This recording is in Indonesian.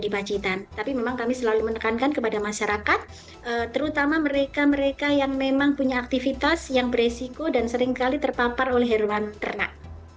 bagaimana masyarakat terutama mereka mereka yang memang punya aktivitas yang beresiko dan seringkali terpapar oleh herwan ternak